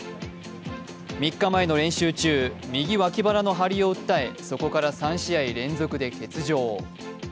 ３日前の練習中、右脇腹の張りを訴え、そこから３試合連続で欠場。